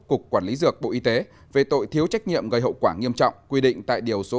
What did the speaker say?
cục quản lý dược bộ y tế về tội thiếu trách nhiệm gây hậu quả nghiêm trọng quy định tại điều số ba trăm sáu mươi